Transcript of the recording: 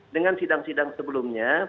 dengan sidang sidang sebelumnya